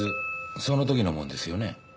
その時のもんですよね？